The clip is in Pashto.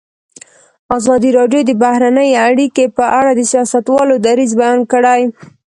ازادي راډیو د بهرنۍ اړیکې په اړه د سیاستوالو دریځ بیان کړی.